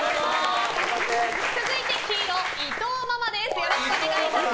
続いて黄色、伊藤ママです。